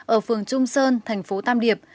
ở phường trung sơn tp tam điệp